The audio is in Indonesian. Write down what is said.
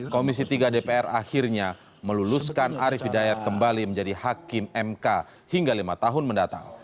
komisi tiga dpr akhirnya meluluskan arief hidayat kembali menjadi hakim mk hingga lima tahun mendatang